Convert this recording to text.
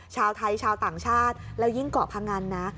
ชาวไทยชาวต่างชาติแล้วยิ่งเกาะพงันนะ